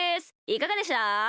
いかがでした？